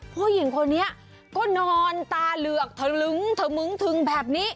ผู้หญิงคนนี้ก็นอนตาเหลือกทะลึงถมึงทึงแบบนี้